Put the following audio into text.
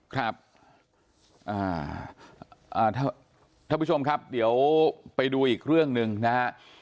ครับอ่าอ่าถ้าถ้าผู้ชมครับเดี๋ยวไปดูอีกเรื่องหนึ่งนะฮะ